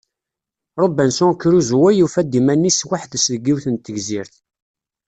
Robinson Crusoe yufa-d iman-is weḥd-s deg yiwet n tegzirt.